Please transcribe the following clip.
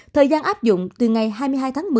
thời gian áp dụng từ ngày hai mươi hai tháng một mươi